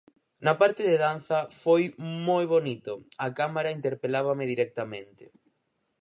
Na parte de danza foi moi bonito: a cámara interpelábame directamente.